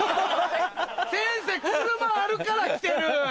先生車あるから来てる。